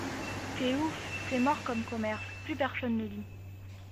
T’es ouf, c’est mort comme commerce, plus personne ne lit